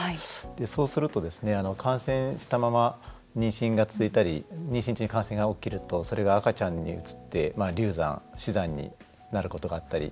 そうすると感染したまま妊娠が続いたり妊娠中に感染が起きるとそれが赤ちゃんにうつって流産、死産になることがあったり。